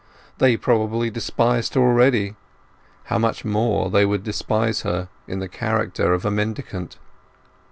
They probably despised her already; how much more they would despise her in the character of a mendicant!